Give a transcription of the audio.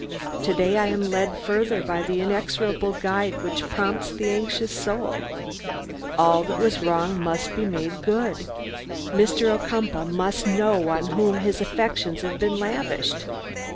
To day I am led further by the inexorable guide which prompts the anxious soul. All that was wrong must be made good. Mr. Ocumpaugh must know on whom his affections have been lavished.